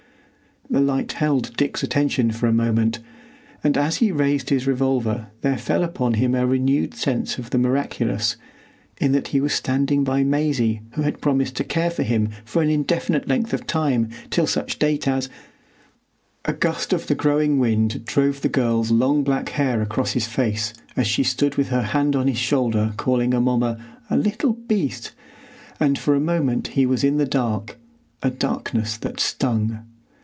The light held Dick's attention for a moment, and as he raised his revolver there fell upon him a renewed sense of the miraculous, in that he was standing by Maisie who had promised to care for him for an indefinite length of time till such date as—— A gust of the growing wind drove the girl's long black hair across his face as she stood with her hand on his shoulder calling Amomma "a little beast," and for a moment he was in the dark,—a darkness that stung.